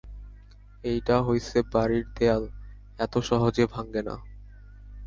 এইটা হইসে বাড়ির দেয়াল, এত সহজে ভাঙে না।